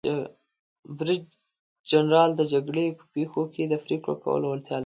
برید جنرال د جګړې په پیښو کې د پریکړو کولو وړتیا لري.